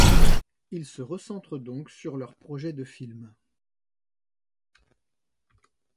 Ils se recentrent donc sur leur projet de film '.